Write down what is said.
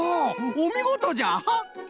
おみごとじゃ！